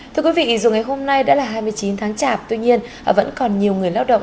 thưa quý vị dù ngày hôm nay đã là hai mươi chín tháng chạp tuy nhiên vẫn còn nhiều người lao động